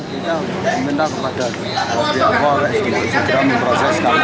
kita meminta kepada warga kepuh kembeng jombang untuk memproseskan